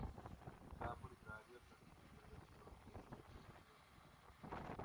En el campo literario, Santos publicó diversos volúmenes de poesía en español.